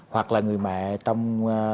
hoặc là người mẹ trong